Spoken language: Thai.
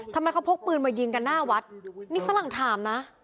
ทำไมเขาพกปืนมายิงกันหน้าวัดนี่ฝรั่งถามนะ